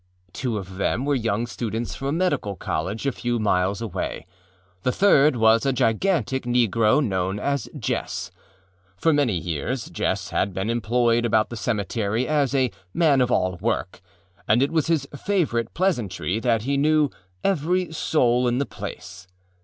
Two of them were young students from a medical college a few miles away; the third was a gigantic negro known as Jess. For many years Jess had been employed about the cemetery as a man of all work and it was his favorite pleasantry that he knew âevery soul in the place.